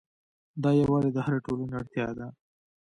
دا یووالی د هرې ټولنې اړتیا ده.